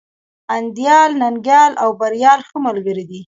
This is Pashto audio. انديال، ننگيال او بريال ښه ملگري دي.